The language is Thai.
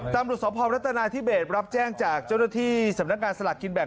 ตำรวจสอบพรรณรัฐนายที่เบสรับแจ้งจากเจ้าหน้าที่สำนักการสลัดกินแบบ